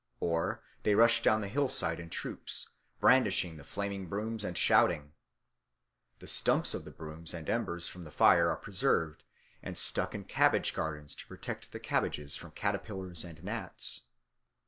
Or they rush down the hillside in troops, brandishing the flaming brooms and shouting. The stumps of the brooms and embers from the fire are preserved and stuck in cabbage gardens to protect the cabbages from caterpillars and gnats.